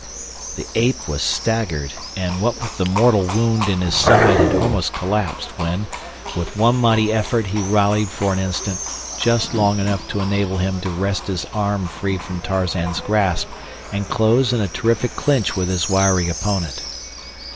The ape was staggered, and what with the mortal wound in his side had almost collapsed, when, with one mighty effort he rallied for an instant—just long enough to enable him to wrest his arm free from Tarzan's grasp and close in a terrific clinch with his wiry opponent.